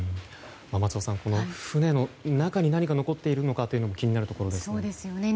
松尾さん、船の中に何が残っているのか気になるところですね。